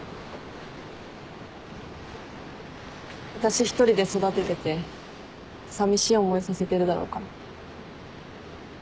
私一人で育てててさみしい思いさせてるだろうから。